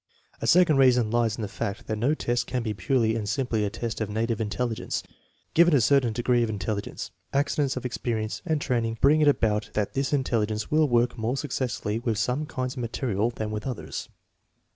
A second reason lies in the fact that no test can be purely and simply a test of native intelligence. Given a certain degree of intelligence, accidents of experience and training bring it about that this intelligence will work more successfully with some kinds of material than with others.